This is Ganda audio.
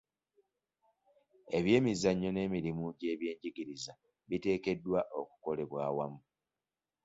Eby'emizannyo n'emirimu gy'ebyenjigiriza biteekeddwa okukolebwa awamu.